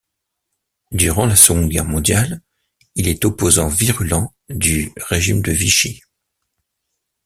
Durant la Seconde Guerre mondiale, il est opposant virulent du Régime de Vichy.